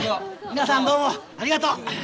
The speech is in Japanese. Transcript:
皆さんどうもありがとう。